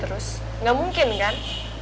terus gak mungkin kan